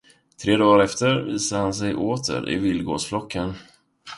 Tre dagar därefter visade han sig åter i vildgåsflocken.